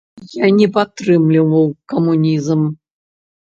Я не падтрымліваў камунізм.